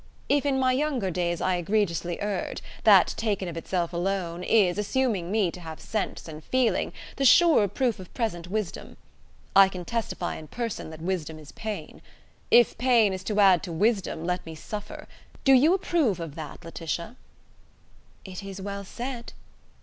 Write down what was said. If in my younger days I egregiously erred, that, taken of itself alone, is, assuming me to have sense and feeling, the surer proof of present wisdom. I can testify in person that wisdom is pain. If pain is to add to wisdom, let me suffer! Do you approve of that, Laetitia?" "It is well said."